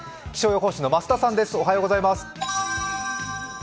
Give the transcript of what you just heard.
気象予報士の増田さんです、おはようございます。